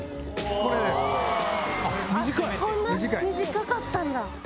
こんな短かったんだ。